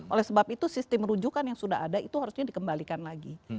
oleh sebab itu sistem rujukan yang sudah ada itu harusnya dikembalikan lagi